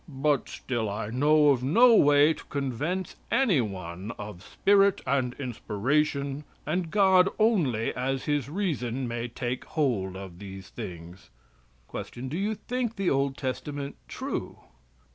"But still I know of no way to convince any one of spirit and inspiration and God only as His reason may take hold of these things." Q. Do you think the Old Testament true?